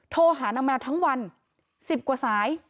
โทรหานางแมวทั้งวัน๑๐กว่าสาย